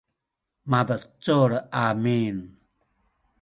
mabecul amin